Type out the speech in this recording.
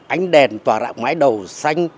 ánh đèn tỏa rạng mái đầu xanh